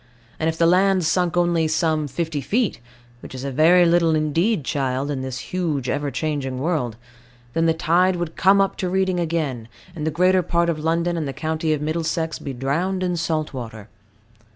And if the land sunk only some fifty feet, which is a very little indeed, child, in this huge, ever changing world, then the tide would come up to Reading again, and the greater part of London and the county of Middlesex be drowned in salt water.